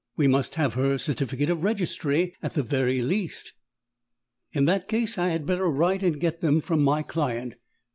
We must have her certificate of registry, at the very least." "In that case I had better write and get them from my client."